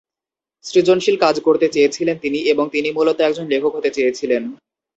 সৃজনশীল কাজ করতে চেয়েছিলেন তিনি এবং তিনি মূলত একজন লেখক হতে চেয়েছিলেন।